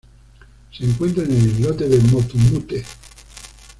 Se encuentra en el islote de Motu Mute.